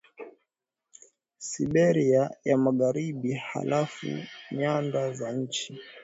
Siberia ya Magharibi halafu nyanda za chini